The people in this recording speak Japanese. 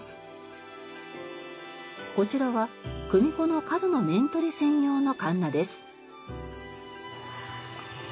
こちらは組子の角の面取り専用のかんなです。